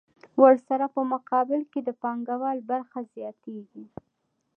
ورسره په مقابل کې د پانګوال برخه زیاتېږي